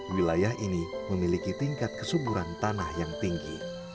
wilayah ini memiliki tingkat kesuburan tanah yang tinggi